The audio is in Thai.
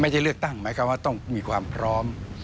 เลือกตั้งหมายความว่าต้องมีความพร้อม